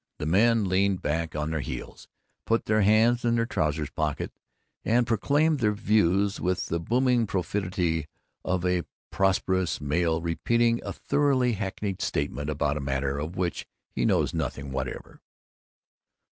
The men leaned back on their heels, put their hands in their trousers pockets, and proclaimed their views with the booming profundity of a prosperous male repeating a thoroughly hackneyed statement about a matter of which he knows nothing whatever.